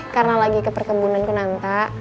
karena lagi ke perkembunan ku nantak